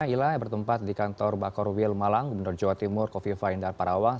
ilah yang bertempat di kantor bakor wil malang gubernur jawa timur kofifa indah parawang